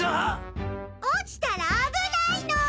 落ちたら危ないの！